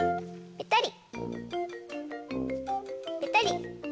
ぺたり。